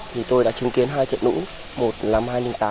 thì tôi đã chứng kiến hai trận lũ một năm hai nghìn tám